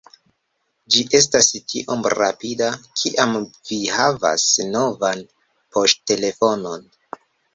Ĝi estas tiom rapida kiam vi havas novan poŝtelefonon